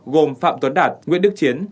gồm phạm tuấn đạt nguyễn đức chiến